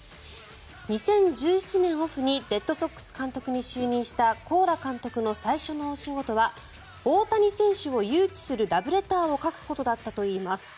２０１７年オフにレッドソックス監督に就任したコーラ監督の最初の大仕事は大谷選手を誘致するラブレターを書くことだったといいます。